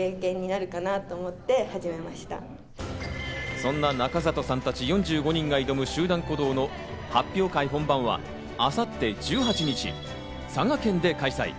そんな中里さんたち４５人が挑む集団行動の発表会本番は、明後日１８日、佐賀県で開催。